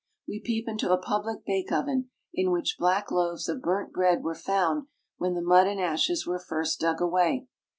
We peep into a public bake 428 SPAIN. oven, in which black loaves of burnt bread were found when the mud and ashes were first dug away.